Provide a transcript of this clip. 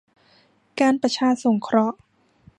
การประชาสงเคราะห์